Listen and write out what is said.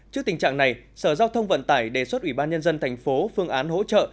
trước tình trạng này sở giao thông vận tải đề xuất ủy ban nhân dân thành phố phương án hỗ trợ